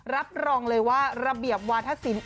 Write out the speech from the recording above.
รับรองเลยว่าระเบียบวาธศิลป